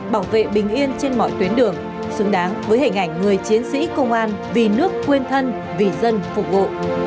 bảo vệ bình yên trên mọi tuyến đường xứng đáng với hình ảnh người chiến sĩ công an vì nước quên thân vì dân phục vụ